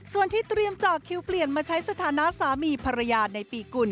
ส่วนที่เตรียมเจาะคิวเปลี่ยนมาใช้สถานะสามีภรรยาในปีกุล